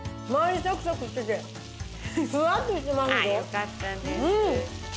よかったです。